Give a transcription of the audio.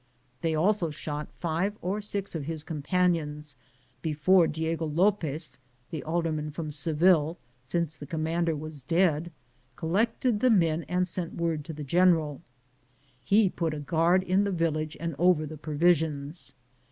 They also shot five or six of his companions before Diego Lopez, the alderman from Seville, ligirized I:, G00gk' THE JOURNEY OP CORONADO since the commander was dead, collected the men and sent word to the general He put a guard in the village and over the provi sions.